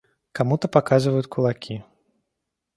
Кому-то показывают кулаки.